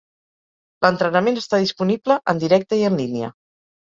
L'entrenament està disponible en directe i en línia.